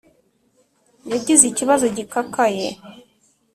yagize ikibazo gikakaye